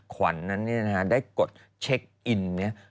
ขวัญได้กดเชคอิน